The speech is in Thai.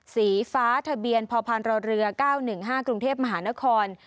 สีฟ้าทะเบียนพพรเรือ๙๑๕กรุงเทพมหานคร